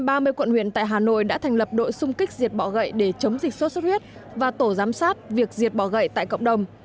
bộ trưởng của quận huyện tại hà nội đã thành lập đội xung kích diệt bỏ gậy để chống dịch sốt sốt huyết và tổ giám sát việc diệt bỏ gậy tại cộng đồng